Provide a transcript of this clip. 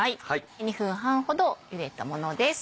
２分半ほどゆでたものです。